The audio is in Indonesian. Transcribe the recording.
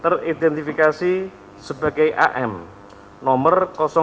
teridentifikasi sebagai am nomor delapan puluh delapan